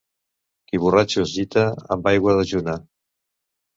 Qui borratxo es gita, amb aigua dejuna.